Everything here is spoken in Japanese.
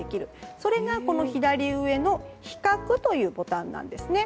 それが左上の比較というボタンです。